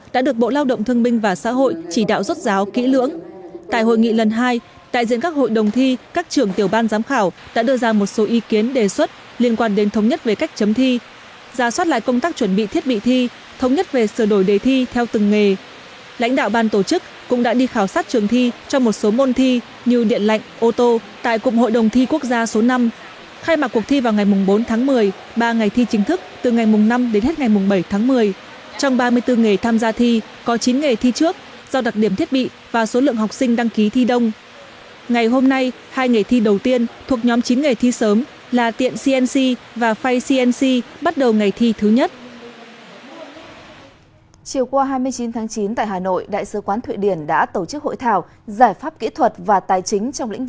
trước qua hai mươi chín tháng chín tại hà nội đại sứ quán thụy điển đã tổ chức hội thảo giải pháp kỹ thuật và tài chính trong lĩnh vực năng lượng tái tạo của thụy điển